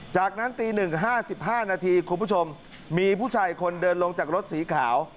จากนั้นตีหนึ่งห้าสิบห้านาทีคุณผู้ชมมีผู้ชายคนเดินลงจากรถสีขาว